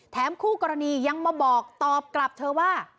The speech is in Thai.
คู่กรณียังมาบอกตอบกลับเธอว่า